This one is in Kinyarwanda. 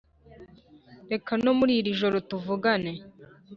reka no muri iri joro tuvugane